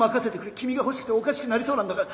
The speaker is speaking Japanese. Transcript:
君が欲しくておかしくなりそうなんだから。